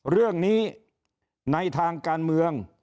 เรื่องนี้ในทางการเมือง